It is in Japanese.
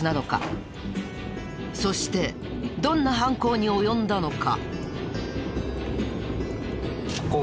そしてどんな犯行に及んだのか？